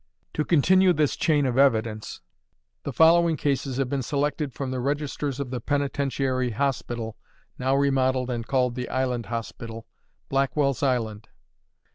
To continue this chain of evidence, the following cases have been selected from the registers of the Penitentiary Hospital (now remodeled, and called the Island Hospital), Blackwell's Island.